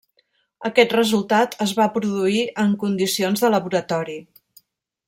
Aquest resultat es va produir en condicions de laboratori.